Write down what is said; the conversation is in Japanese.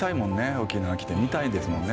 沖縄来て見たいんですもんね